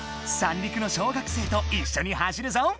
三陸の小学生と一緒に走るぞ！